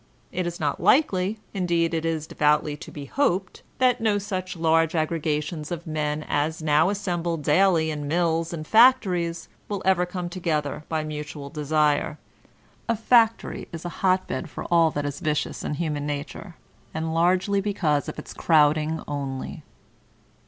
It b not likely, indeed it is devoutly to be hoped, that no such large aggregations of men as now assemble daily in mills and factories, will ever come together by mutual desire. (A factory is a hot bed for all that is vicious in human nature, and largely because of its crowding only.)